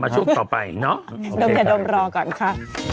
ช่วงต่อไปเนาะโอเคค่ะจะดมรอก่อนค่ะ